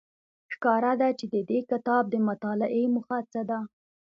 ښکاره ده چې د دې کتاب د مطالعې موخه څه ده